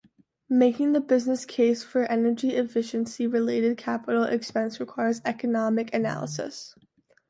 Making the business case for energy efficiency-related capital expense requires economic analysis.